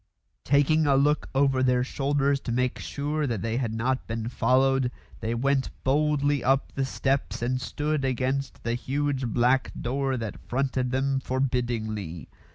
Taking a look over their shoulders to make sure they had not been followed, they went boldly up the steps and stood against the huge black door that fronted them forbiddingly.